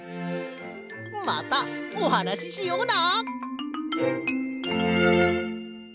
またおはなししような。